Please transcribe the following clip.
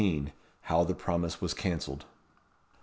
How the promise was cancelled.